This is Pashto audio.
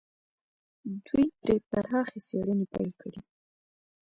دوی پرې پراخې څېړنې پيل کړې.